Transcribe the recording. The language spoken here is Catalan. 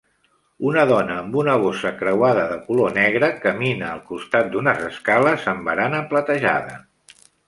Una dona amb una bossa creuada de color negre camina al costat d'unes escales amb barana platejada.